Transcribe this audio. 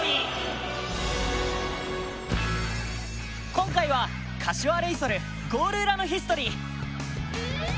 今回は柏レイソル、ゴール裏のヒストリー。